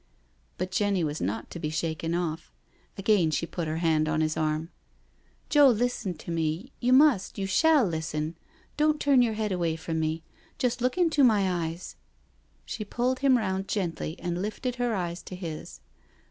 But Jenny was not to be shaken off. Again she put her hand on his arm. " Joe, listen to me— you must— you shall listen. Don't turn your head away from me— just look into my eyes." She pulled him round gently and lifted her eyes to his.